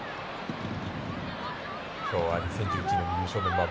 今日は２０１１年の優勝メンバー